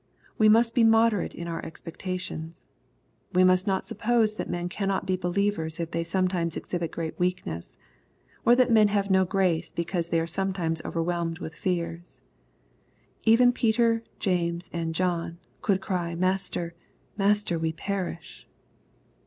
We must be moderate in our expectations. We must not suppose that men cannot be believers if they sometimes exhibit great weakness, or that men have no grace because they are sometimes overwhelmed with fears. Even Peter, James, and John, could cry, "Master, Master, we perish."